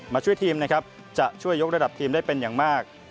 มาช่วยทีมนะครับจะช่วยยกระดับทีมได้เป็นอย่างมาก